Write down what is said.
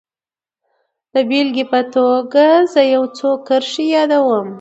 د بېلګې په توګه زه يې يو څو کرښې يادوم.